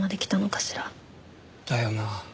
だよな。